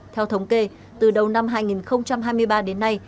theo thống kê từ đầu năm hai nghìn hai mươi ba đến nay